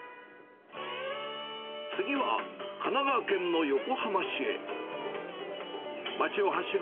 次は、神奈川県の横浜市へ。